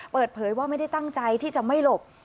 เปิดเผยว่าไม่ได้ตั้งใจที่จะไม่หลบ